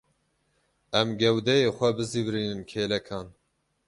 Em gewdeyê xwe bizîvirînin kêlekan.